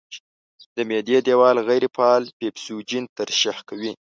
د معدې دېوال غیر فعال پیپسوجین ترشح کوي.